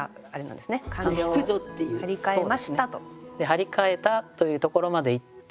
張り替えたというところまでいってですね